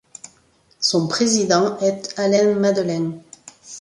Son président est Alain Madelin.